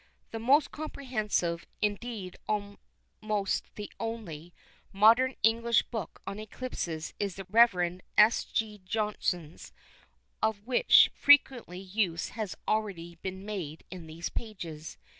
The most comprehensive (indeed almost the only) modern English book on eclipses is the Rev. S. J. Johnson's, of which frequent use has already been made in these pages.